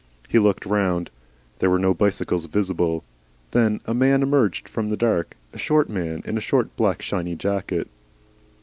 He looked round. There were no bicycles visible. Then a man emerged from the dark, a short man in a short, black, shiny jacket.